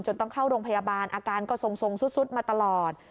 ต้องเข้าโรงพยาบาลอาการก็ทรงซุดมาตลอด